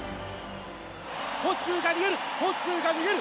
ホッスーが逃げる！